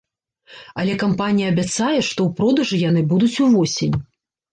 Але кампанія абяцае, што ў продажы яны будуць увосень.